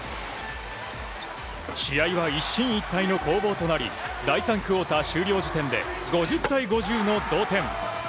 試合は一進一退の攻防となり第３クオーター終了時点で５０対５０の同点。